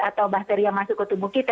atau bakteri yang masuk ke tubuh kita